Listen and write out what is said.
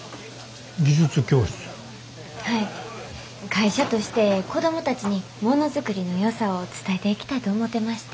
会社として子供たちにものづくりのよさを伝えていきたいと思てまして。